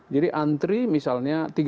jadi antri misalnya